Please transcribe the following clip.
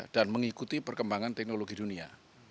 dan mengikuti perkembangan teknologi dunia